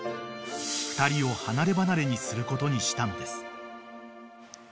［２人を離れ離れにすることにしたのです］